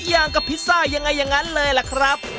อย่างกับพิซซ่ายังไงอย่างนั้นเลยล่ะครับ